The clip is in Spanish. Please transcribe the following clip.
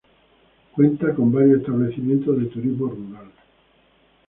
Cuenta con varios establecimientos de turismo rural.